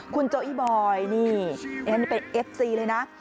คุณโจอี้บอยนี่อันนี้เป็นเอฟซีเลยนะ